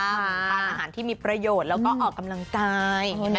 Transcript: ทานอาหารที่มีประโยชน์แล้วก็ออกกำลังกาย